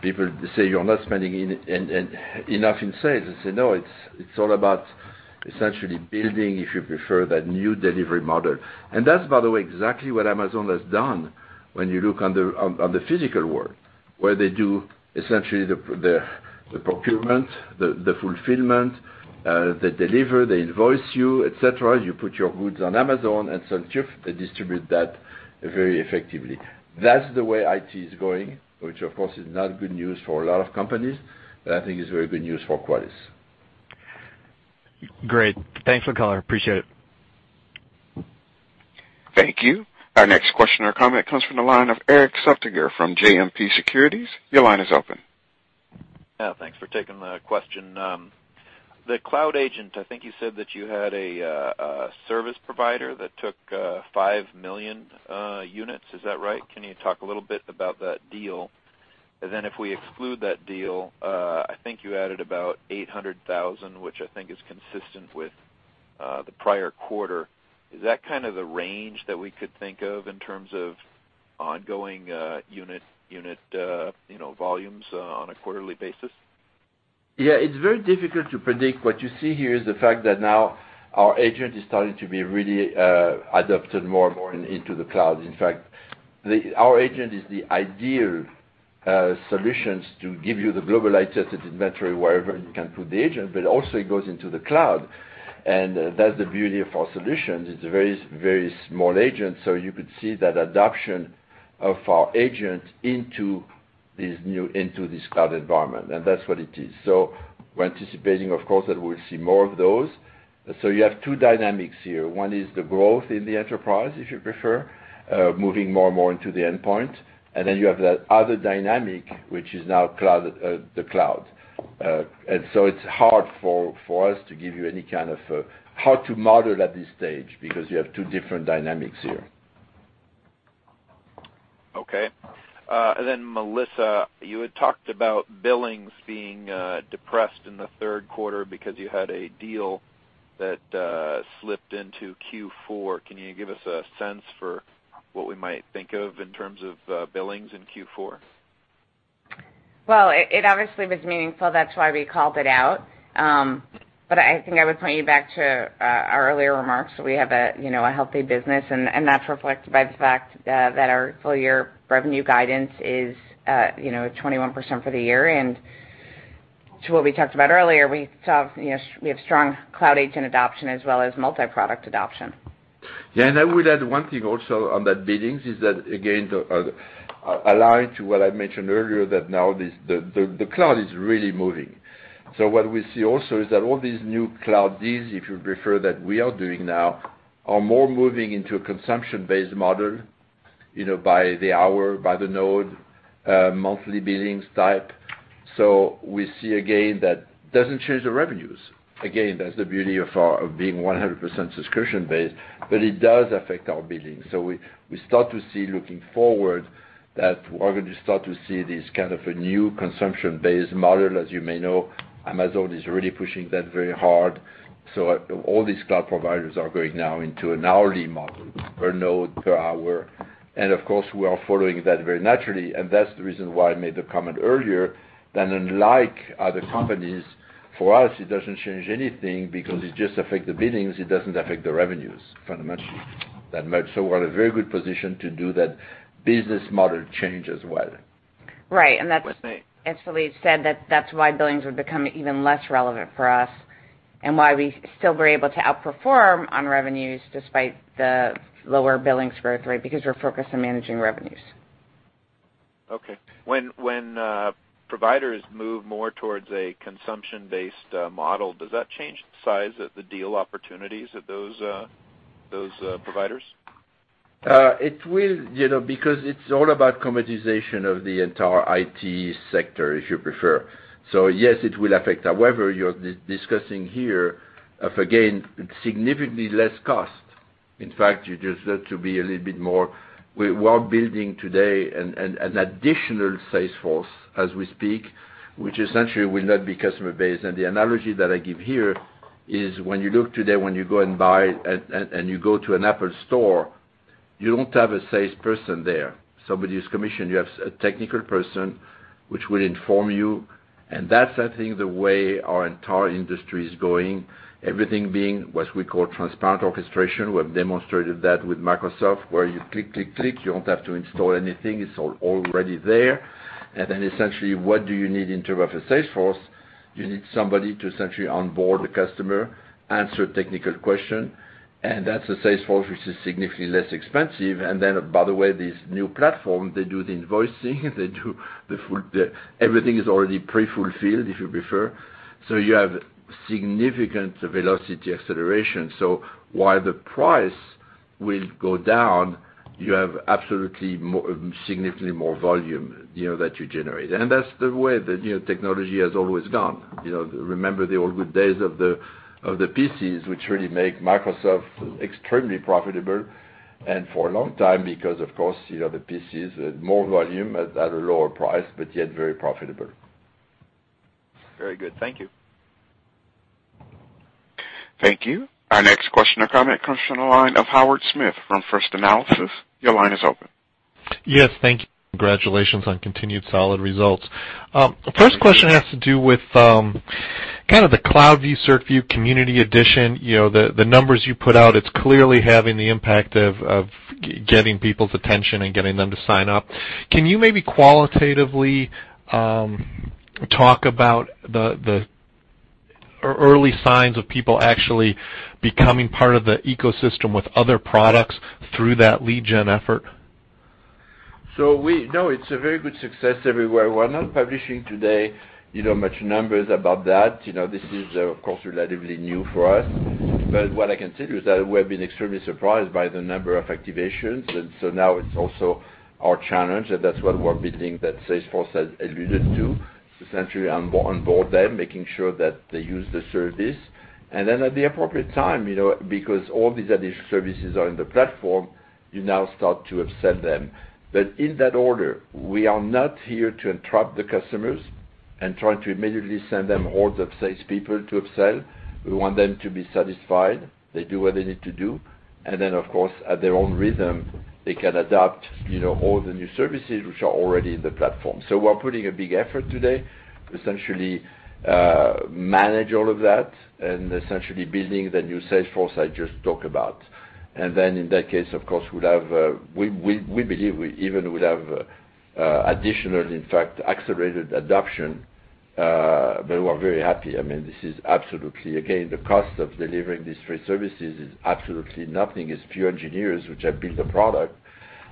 people say, "You're not spending enough in sales." I say, "No, it's all about essentially building, if you prefer, that new delivery model." That's, by the way, exactly what Amazon has done when you look on the physical world, where they do essentially the procurement, the fulfillment, they deliver, they invoice you, et cetera. You put your goods on Amazon and so on, they distribute that very effectively. That's the way IT is going, which of course is not good news for a lot of companies, but I think it's very good news for Qualys. Great. Thanks for the color. Appreciate it. Thank you. Our next question or comment comes from the line of Erik Suppiger from JMP Securities. Your line is open. Yeah, thanks for taking the question. The Cloud Agent, I think you said that you had a service provider that took 5 million units. Is that right? Can you talk a little bit about that deal? Then if we exclude that deal, I think you added about 800,000, which I think is consistent with the prior quarter. Is that kind of the range that we could think of in terms of ongoing unit volumes on a quarterly basis? Yeah, it's very difficult to predict. What you see here is the fact that now our agent is starting to be really adapted more and more into the cloud. In fact, our agent is the ideal solution to give you the global-light asset inventory wherever you can put the agent, but also it goes into the cloud, and that's the beauty of our solution. It's a very small agent, you could see that adoption of our agent into this cloud environment, and that's what it is. We're anticipating, of course, that we'll see more of those. You have two dynamics here. One is the growth in the enterprise, if you prefer, moving more and more into the endpoint. Then you have that other dynamic, which is now the cloud. It's hard for us to give you any kind of how to model at this stage because you have two different dynamics here. Melissa, you had talked about billings being depressed in the third quarter because you had a deal that slipped into Q4. Can you give us a sense for what we might think of in terms of billings in Q4? Well, it obviously was meaningful. That's why we called it out. I think I would point you back to our earlier remarks. We have a healthy business, that's reflected by the fact that our full-year revenue guidance is 21% for the year. To what we talked about earlier, we have strong Cloud Agent adoption as well as multi-product adoption. I would add one thing also on that billings is that, again, aligned to what I mentioned earlier, that now the cloud is really moving. What we see also is that all these new cloud deals, if you prefer, that we are doing now are more moving into a consumption-based model, by the hour, by the node, monthly billings type. We see again, that doesn't change the revenues. Again, that's the beauty of being 100% subscription-based, it does affect our billings. We start to see looking forward that we're going to start to see this kind of a new consumption-based model. As you may know, Amazon is really pushing that very hard. All these cloud providers are going now into an hourly model, per node, per hour. Of course, we are following that very naturally, that's the reason why I made the comment earlier that unlike other companies, for us, it doesn't change anything because it just affects the billings. It doesn't affect the revenues fundamentally that much. We're in a very good position to do that business model change as well. Right. As Philippe said, that's why billings would become even less relevant for us and why we still were able to outperform on revenues despite the lower billings growth rate, because we're focused on managing revenues. Okay. When providers move more towards a consumption-based model, does that change the size of the deal opportunities of those providers? It will, because it's all about commoditization of the entire IT sector, if you prefer. Yes, it will affect. However, you're discussing here, again, significantly less cost. In fact, you just have to be a little bit more. We are building today an additional sales force as we speak, which essentially will not be customer-based. The analogy that I give here is when you look today, when you go and buy, and you go to an Apple store, you don't have a salesperson there, somebody's commission. You have a technical person, which will inform you, and that's, I think, the way our entire industry is going. Everything being what we call transparent orchestration. We have demonstrated that with Microsoft, where you click, click. You don't have to install anything. It's all already there. Then essentially, what do you need in terms of a sales force? You need somebody to essentially onboard the customer, answer a technical question, and that's a sales force which is significantly less expensive. Then, by the way, this new platform, they do the invoicing. Everything is already pre-fulfilled, if you prefer. You have significant velocity acceleration. While the price will go down, you have absolutely significantly more volume that you generate. That's the way that technology has always gone. Remember the old good days of the PCs, which really make Microsoft extremely profitable and for a long time because, of course, the PCs had more volume at a lower price, but yet very profitable. Very good. Thank you. Thank you. Our next question or comment comes from the line of Howard Smith from First Analysis. Your line is open. Yes. Thank you. Congratulations on continued solid results. Thank you. First question has to do with kind of the CloudView, CertView Community Edition. The numbers you put out, it's clearly having the impact of getting people's attention and getting them to sign up. Can you maybe qualitatively talk about the early signs of people actually becoming part of the ecosystem with other products through that lead gen effort? We know it's a very good success everywhere. We're not publishing today much numbers about that. This is, of course, relatively new for us. What I can tell you is that we have been extremely surprised by the number of activations. Now it's also our challenge, and that's what we're building, that sales force has alluded to. Essentially onboard them, making sure that they use the service. At the appropriate time, because all these additional services are in the platform, you now start to upsell them. In that order, we are not here to entrap the customers and trying to immediately send them hordes of salespeople to upsell. We want them to be satisfied. They do what they need to do. Of course, at their own rhythm, they can adopt all the new services which are already in the platform. We're putting a big effort today to essentially manage all of that and essentially building the new sales force I just talked about. In that case, of course, we believe we even will have additional, in fact, accelerated adoption. We're very happy. Again, the cost of delivering these three services is absolutely nothing. It's few engineers which have built a product.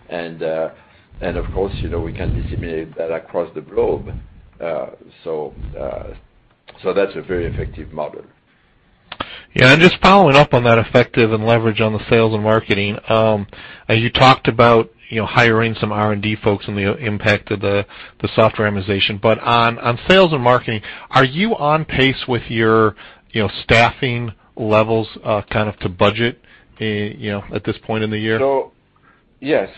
Of course, we can disseminate that across the globe. That's a very effective model. Just following up on that effective and leverage on the sales and marketing. You talked about hiring some R&D folks and the impact of the software amortization. On sales and marketing, are you on pace with your staffing levels kind of to budget at this point in the year? Yes.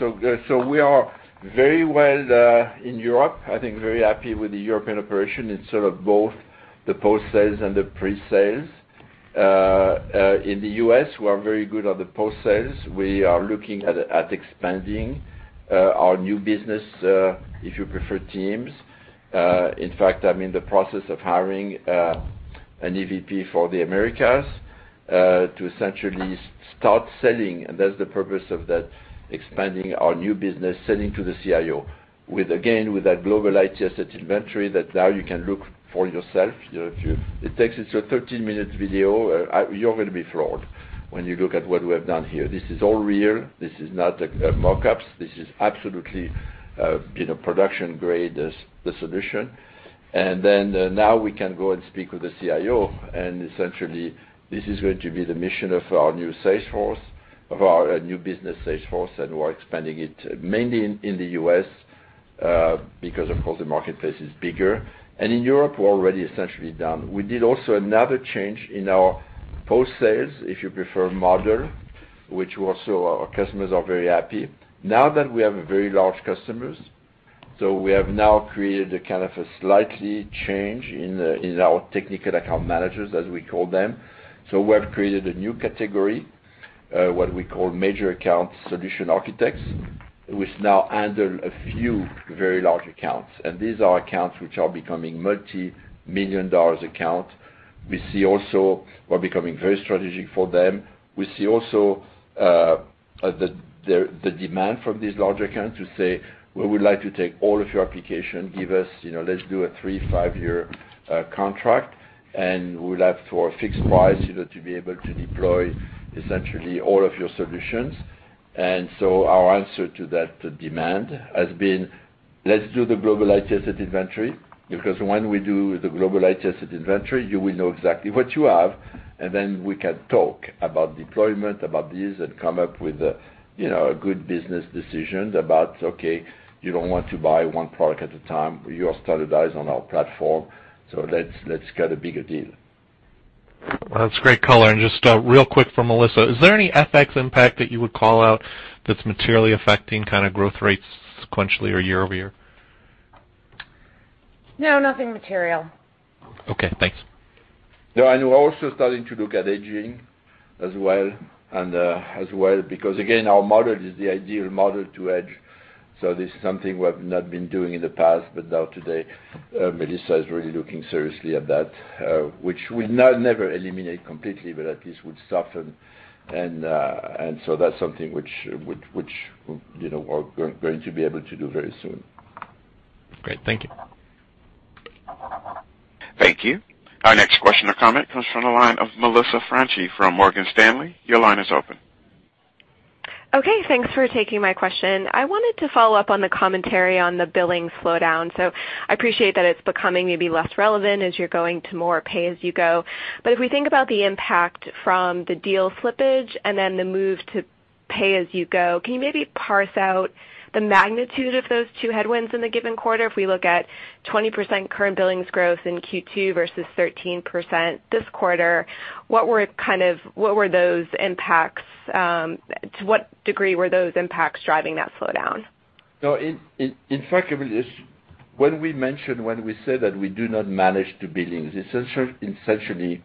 We are very well in Europe, I think very happy with the European operation in sort of both the post-sales and the pre-sales. In the U.S., we are very good on the post-sales. We are looking at expanding our new business, if you prefer, teams. In fact, I'm in the process of hiring an EVP for the Americas, to essentially start selling, and that's the purpose of that, expanding our new business, selling to the CIO. With, again, with that global IT asset inventory that now you can look for yourself. It takes you to a 13-minute video. You're going to be floored when you look at what we have done here. This is all real. This is not mock-ups. This is absolutely production-grade, the solution. Now we can go and speak with the CIO. Essentially, this is going to be the mission of our new sales force, of our new business sales force, and we're expanding it mainly in the U.S., because of course, the marketplace is bigger. In Europe, we're already essentially done. We did also another change in our post-sales, if you prefer, model, which also our customers are very happy. Now that we have very large customers, we have now created a kind of a slight change in our technical account managers, as we call them. We have created a new category, what we call major account solution architects, which now handle a few very large accounts. These are accounts which are becoming multi-million dollar accounts. We see also we're becoming very strategic for them. We see also the demand from these large accounts to say, "We would like to take all of your application, let's do a three, five-year contract, and we'd like for a fixed price to be able to deploy essentially all of your solutions." Our answer to that demand has been, "Let's do the global IT asset inventory, because when we do the global IT asset inventory, you will know exactly what you have, and then we can talk about deployment, about this, and come up with a good business decision about, okay, you don't want to buy one product at a time. You are standardized on our platform, let's get a bigger deal. That's great color. Just real quick from Melissa, is there any FX impact that you would call out that's materially affecting growth rates sequentially or year-over-year? No, nothing material. Okay, thanks. No. We're also starting to look at hedging as well, because again, our model is the ideal model to age. This is something we have not been doing in the past, but now today, Melissa is really looking seriously at that, which will never eliminate completely, but at least would soften. That's something which we're going to be able to do very soon. Great. Thank you. Thank you. Our next question or comment comes from the line of Melissa Franchi from Morgan Stanley. Your line is open. Okay, thanks for taking my question. I wanted to follow up on the commentary on the billing slowdown. I appreciate that it's becoming maybe less relevant as you're going to more pay-as-you-go. If we think about the impact from the deal slippage and then the move to pay-as-you-go, can you maybe parse out the magnitude of those two headwinds in the given quarter? If we look at 20% current billings growth in Q2 versus 13% this quarter, to what degree were those impacts driving that slowdown? No, in fact, when we say that we do not manage the billings, essentially,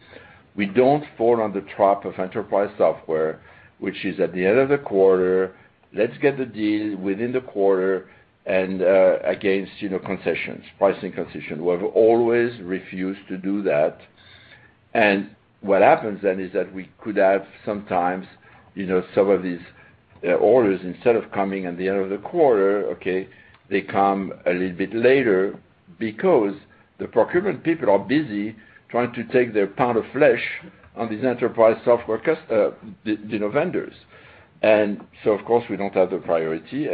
we don't fall on the trap of enterprise software, which is at the end of the quarter, let's get the deal within the quarter and against concessions, pricing concession. We have always refused to do that. What happens then is that we could have sometimes some of these orders, instead of coming at the end of the quarter, okay, they come a little bit later because the procurement people are busy trying to take their pound of flesh on these enterprise software vendors. Of course, we don't have the priority.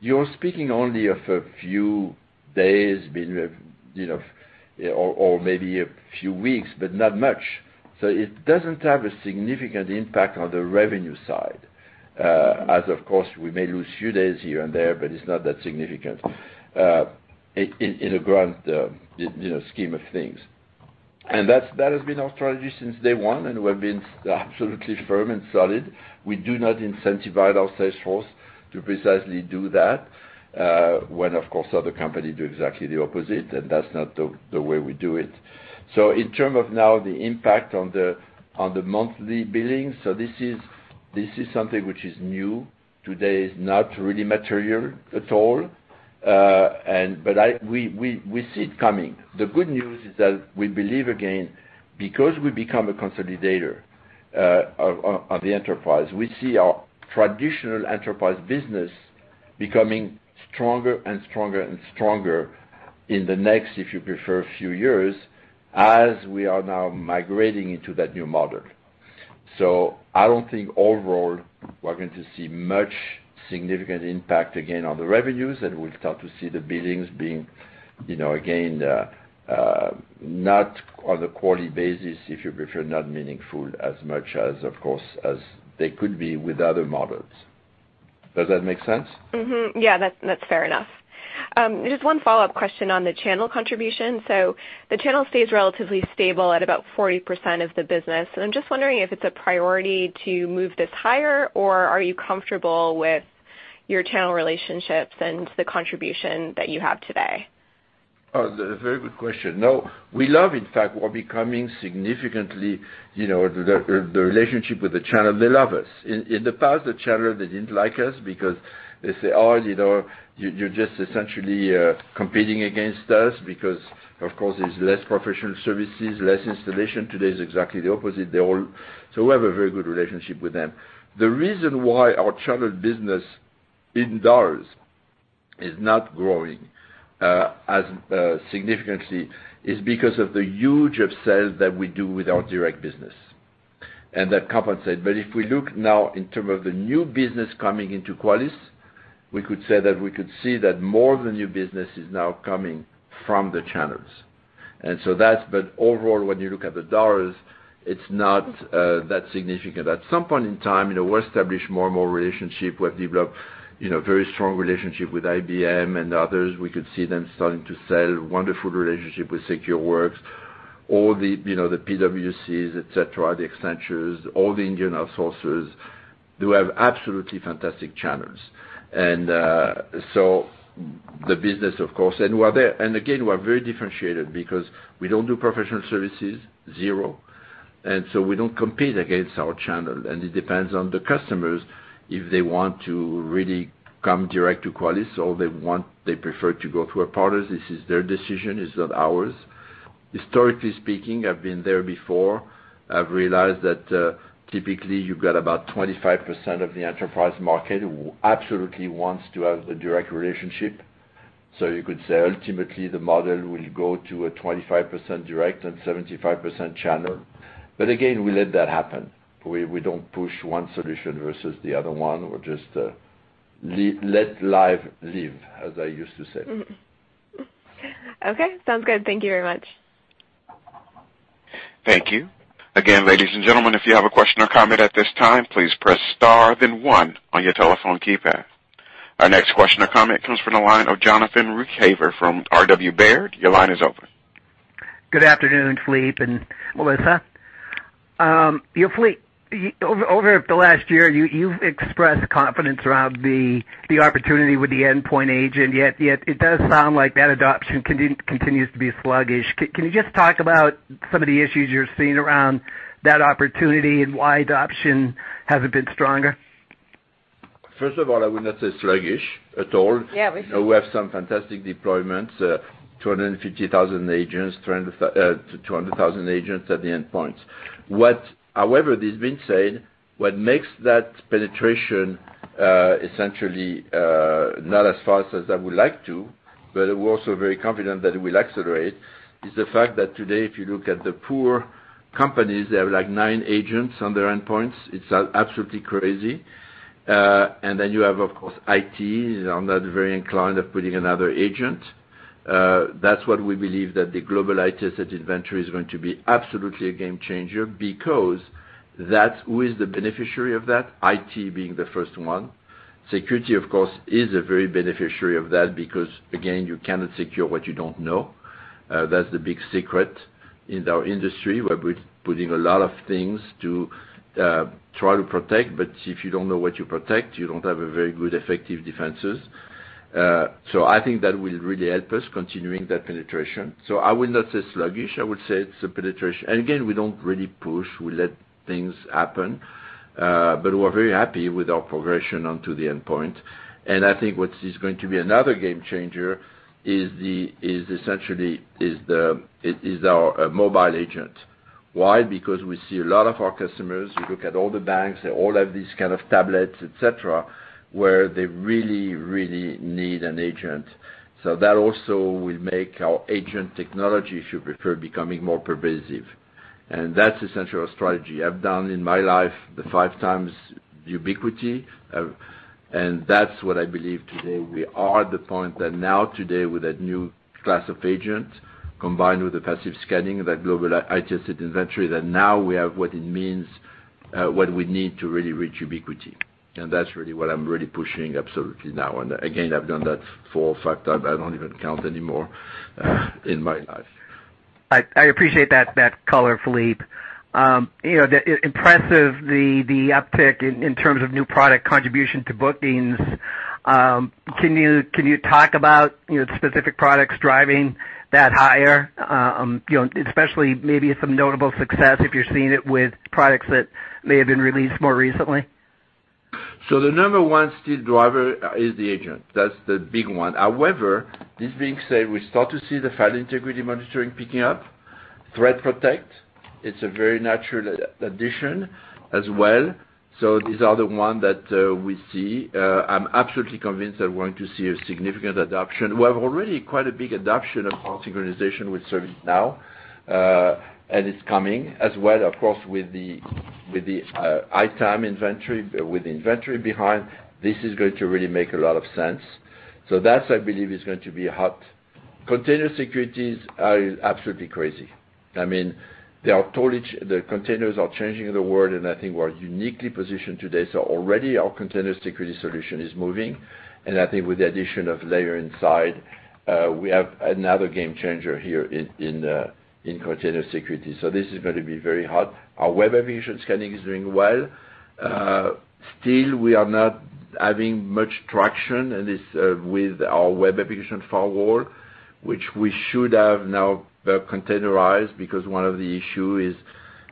You're speaking only of a few days or maybe a few weeks, but not much. It doesn't have a significant impact on the revenue side. Of course, we may lose a few days here and there, but it's not that significant in the grand scheme of things. That has been our strategy since day one, and we've been absolutely firm and solid. We do not incentivize our sales force to precisely do that. When, of course, other company do exactly the opposite, that's not the way we do it. In term of now the impact on the monthly billing, this is something which is new. Today is not really material at all. We see it coming. The good news is that we believe, again, because we become a consolidator of the enterprise, we see our traditional enterprise business becoming stronger and stronger and stronger in the next, if you prefer, few years as we are now migrating into that new model. I don't think overall, we're going to see much significant impact again on the revenues, and we'll start to see the billings being, again, not on a quarterly basis, if you prefer, not meaningful as much as, of course, as they could be with other models. Does that make sense? Yeah, that's fair enough. Just one follow-up question on the channel contribution. The channel stays relatively stable at about 40% of the business. I'm just wondering if it's a priority to move this higher, or are you comfortable with your channel relationships and the contribution that you have today? That's a very good question. No, we love, in fact, we're becoming significantly the relationship with the channel. They love us. In the past, the channel, they didn't like us because they say, "Oh, you're just essentially competing against us because, of course, there's less professional services, less installation." Today is exactly the opposite. We have a very good relationship with them. The reason why our channel business in dollars is not growing as significantly is because of the huge upsells that we do with our direct business, and that compensates. If we look now in term of the new business coming into Qualys, we could say that we could see that more of the new business is now coming from the channels. Overall, when you look at the dollars, it's not that significant. At some point in time, we establish more and more relationship. We have developed very strong relationship with IBM and others. We could see them starting to sell. Wonderful relationship with Secureworks, all the PwC, et cetera, the Accentures, all the Indian outsourcers who have absolutely fantastic channels. Again, we're very differentiated because we don't do professional services, zero. We don't compete against our channel, and it depends on the customers, if they want to really come direct to Qualys or they prefer to go through a partner. This is their decision. It's not ours. Historically speaking, I've been there before. I've realized that typically you've got about 25% of the enterprise market who absolutely wants to have the direct relationship. You could say ultimately the model will go to a 25% direct and 75% channel. Again, we let that happen. We don't push one solution versus the other one. We just let live live, as I used to say. Okay, sounds good. Thank you very much. Thank you. Again, ladies and gentlemen, if you have a question or comment at this time, please press star then one on your telephone keypad. Our next question or comment comes from the line of Jonathan Ruykhaver from RW Baird. Your line is open. Good afternoon, Philippe and Melissa. Philippe, over the last year, you've expressed confidence around the opportunity with the endpoint agent, yet it does sound like that adoption continues to be sluggish. Can you just talk about some of the issues you're seeing around that opportunity and why adoption hasn't been stronger? First of all, I would not say sluggish at all. Yeah. We have some fantastic deployments, 250,000 agents, 200,000 agents at the endpoint. This being said, what makes that penetration essentially not as fast as I would like to, but we're also very confident that it will accelerate, is the fact that today, if you look at the poor companies, they have nine agents on their endpoints. It's absolutely crazy. You have, of course, IT are not very inclined of putting another agent. That's what we believe that the global IT asset inventory is going to be absolutely a game changer because that's who is the beneficiary of that, IT being the first one. Security, of course, is a very beneficiary of that because again, you cannot secure what you don't know. That's the big secret in our industry. We're putting a lot of things to try to protect, but if you don't know what you protect, you don't have a very good effective defenses. I think that will really help us continuing that penetration. I will not say sluggish. I would say it's the penetration. Again, we don't really push. We let things happen. We're very happy with our progression onto the endpoint. I think what is going to be another game changer essentially is our mobile agent. Why? We see a lot of our customers, you look at all the banks, they all have these kind of tablets, et cetera, where they really, really need an agent. That also will make our agent technology, if you prefer, becoming more pervasive. That's essentially our strategy. I've done in my life the five times ubiquity. That's what I believe today we are at the point that now today with that new class of agent, combined with the passive scanning, that global IT asset inventory, that now we have what we need to really reach ubiquity. That's really what I'm really pushing absolutely now. Again, I've done that four or five times. I don't even count anymore in my life. I appreciate that color, Philippe. Impressive the uptick in terms of new product contribution to bookings. Can you talk about specific products driving that higher? Especially maybe some notable success if you're seeing it with products that may have been released more recently. The number 1 still driver is the Agent. That's the big one. However, this being said, we start to see the file integrity monitoring picking up. ThreatPROTECT, it's a very natural addition as well. These are the one that we see. I'm absolutely convinced that we're going to see a significant adoption. We have already quite a big adoption of synchronization with ServiceNow, and it's coming as well, of course, with the ITAM inventory, with the inventory behind, this is going to really make a lot of sense. That, I believe, is going to be hot. Container security is absolutely crazy. The containers are changing the world, and I think we're uniquely positioned today. Already our container security solution is moving. I think with the addition of Layered Insight, we have another game changer here in container security. This is going to be very hot. Our web application scanning is doing well. Still, we are not having much traction with our web application firewall, which we should have now containerized because one of the issue is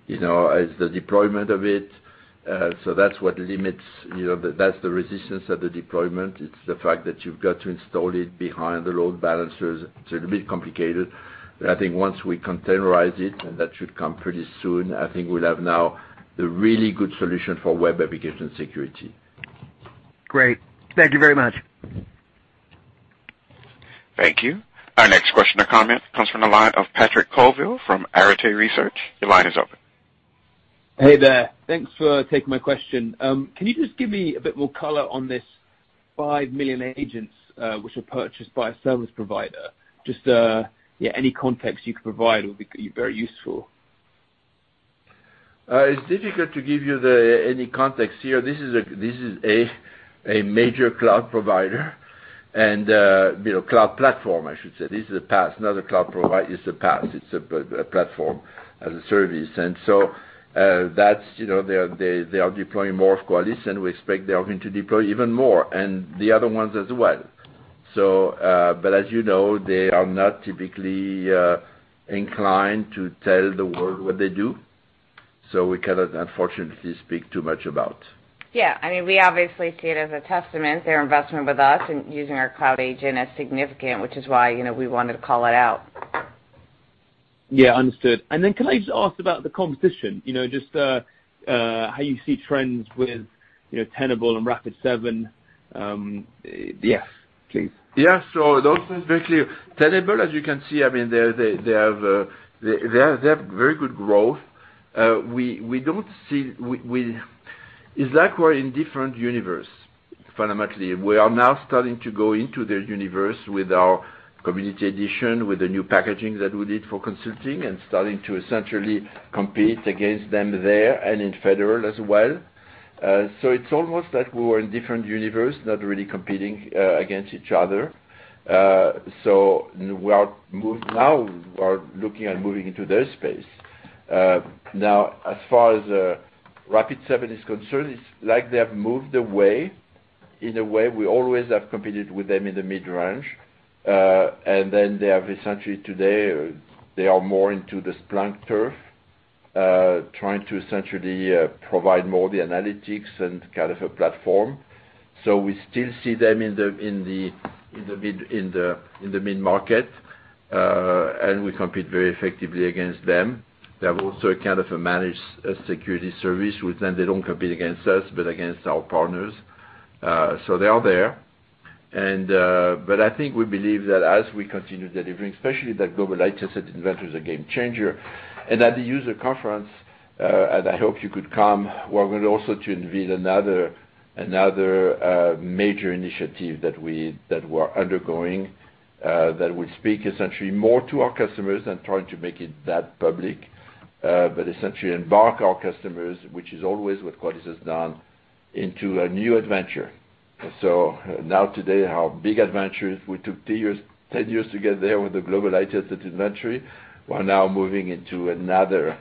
the deployment of it. That's what limits, that's the resistance of the deployment. It's the fact that you've got to install it behind the load balancers. It's a bit complicated. I think once we containerize it, and that should come pretty soon, I think we'll have now the really good solution for web application security. Great. Thank you very much. Thank you. Our next question or comment comes from the line of Patrick Colville from Arete Research. Your line is open. Hey there. Thanks for taking my question. Can you just give me a bit more color on this 5 million agents, which were purchased by a service provider? Just, yeah, any context you could provide would be very useful. It's difficult to give you any context here. This is a major cloud provider and cloud platform, I should say. This is a PaaS, not a cloud provider. It's a PaaS. It's a platform as a service. They are deploying more of Qualys, and we expect they are going to deploy even more, and the other ones as well. As you know, they are not typically inclined to tell the world what they do. We cannot, unfortunately, speak too much about. Yeah. We obviously see it as a testament, their investment with us and using our Cloud Agent as significant, which is why we wanted to call it out. Yeah. Understood. Can I just ask about the competition, just how you see trends with Tenable and Rapid7? Yes, please. Yeah. Those are basically Tenable, as you can see, they have very good growth. It's like we're in different universe fundamentally. We are now starting to go into their universe with our Community Edition, with the new packaging that we did for Consulting and starting to essentially compete against them there and in federal as well. It's almost like we were in different universe, not really competing against each other. Now we are looking at moving into their space. As far as Rapid7 is concerned, it's like they have moved away in a way. We always have competed with them in the mid-range. They have essentially today, they are more into the Splunk turf, trying to essentially provide more of the analytics and kind of a platform. We still see them in the mid-market, and we compete very effectively against them. They have also a kind of a managed security service with them. They don't compete against us but against our partners. They are there. I think we believe that as we continue delivering, especially that Qualys IT Asset Management is a game changer, and at the user conference, and I hope you could come, we're going also to unveil another major initiative that we're undergoing that will speak essentially more to our customers than trying to make it that public, but essentially embark our customers, which is always what Qualys has done, into a new adventure. Now today, our big adventure is we took 10 years to get there with the Qualys IT Asset Management. We're now moving into another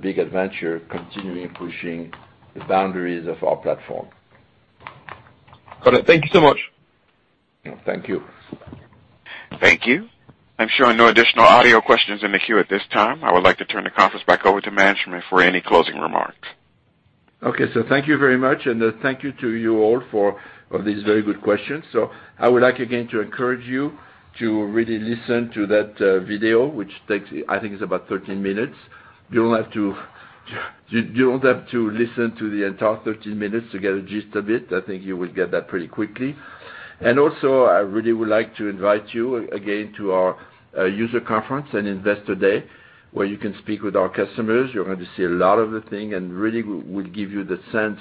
big adventure, continuing pushing the boundaries of our platform. Got it. Thank you so much. Thank you. Thank you. I'm showing no additional audio questions in the queue at this time. I would like to turn the conference back over to management for any closing remarks. Okay. Thank you very much, and thank you to you all for these very good questions. I would like again to encourage you to really listen to that video, which takes, I think it's about 13 minutes. You don't have to listen to the entire 13 minutes to get a gist of it. I think you will get that pretty quickly. Also, I really would like to invite you again to our user conference and Investor Day, where you can speak with our customers. You're going to see a lot of the thing and really will give you the sense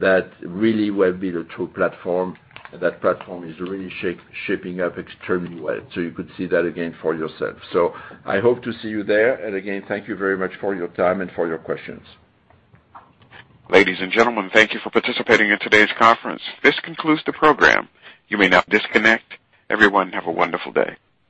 that really we have built a true platform, and that platform is really shaping up extremely well. You could see that again for yourself. I hope to see you there. Again, thank you very much for your time and for your questions. Ladies and gentlemen, thank you for participating in today's conference. This concludes the program. You may now disconnect. Everyone, have a wonderful day.